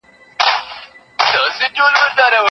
د ملي امنیت روغتیایي خدمات څنګه دي؟